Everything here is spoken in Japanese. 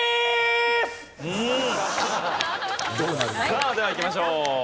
さあではいきましょう。